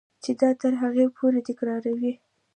چې دا تر هغې پورې تکراروه.